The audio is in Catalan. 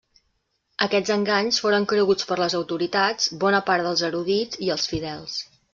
Aquests enganys foren creguts per les autoritats, bona part dels erudits i els fidels.